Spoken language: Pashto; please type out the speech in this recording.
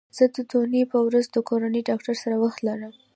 زه د دونۍ په ورځ د کورني ډاکټر سره وخت لرم